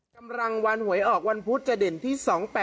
กำลังวันหวยออกวันพุธจะเด่นที่๒๘๘